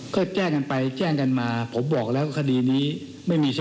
ก็แจ้งกันไปแจ้งกันมาผมบอกแล้วคดีนี้ไม่มี